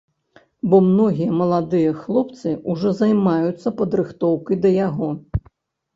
Бо многія маладыя хлопцы ўжо займаюцца падрыхтоўкай да яго.